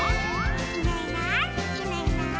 「いないいないいないいない」